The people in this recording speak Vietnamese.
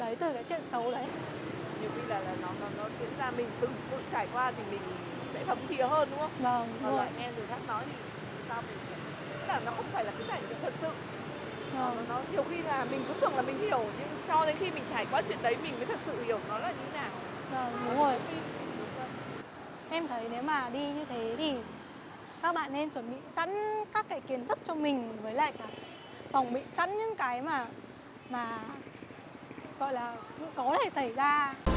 với lại cả phòng bị sẵn những cái mà gọi là cũng có thể xảy ra